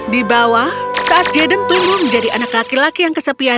di bawah saat jaden tunggu menjadi anak laki laki yang kesepian dan malas